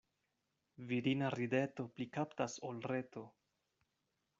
Virina rideto pli kaptas ol reto.